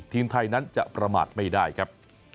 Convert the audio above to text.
ทีมไทยนั้นจะประมาทไม่ได้ครับ